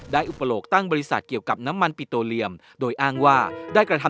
ได้อุปโลกตั้งบริษัทเกี่ยวกับน้ำมันปิโตเลียมโดยอ้างว่าได้กระทำกิจการที่สุดท้าย